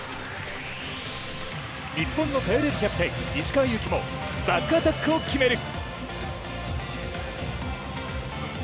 日本の頼れるキャプテン石川祐希もバックアタックを決める。